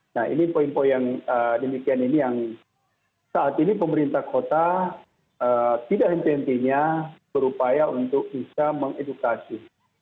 nah ini poin poin yang demikian ini yang saat ini pemerintah kota tidak henti hentinya berupaya untuk bisa mengedukasi